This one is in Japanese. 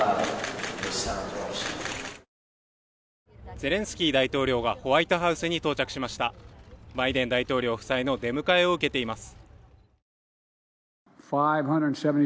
ゼレンスキー大統領がホワイトハウスに到着しましたバイデン大統領夫妻の出迎えを受けています